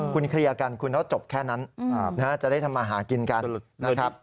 คุณเคลียร์กันคุณต้องจบแค่นั้นจะได้ทำมาหากินกันนะครับ